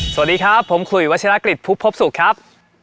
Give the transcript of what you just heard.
สวัสดีครับผมคุยวัชรกฤษภุพบสุขครับ